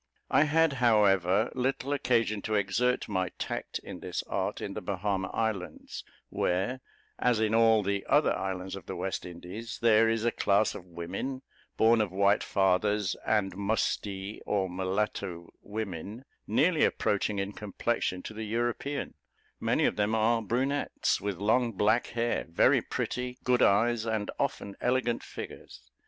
I had, however, little occasion to exert my tact in this art in the Bahama Islands, where, as in all the other islands of the West Indies, there is a class of women, born of white fathers and mustee or mulatto women, nearly approaching in complexion to the European; many of them are brunettes, with long black hair, very pretty, good eyes, and often elegant figures.